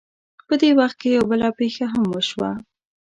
په دې وخت کې یوه بله پېښه هم وشوه.